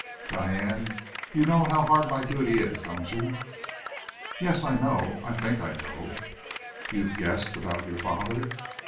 "Diane, you know how hard my duty is, don't you?" "Yes, I know I think I know." "You've guessed about your father?"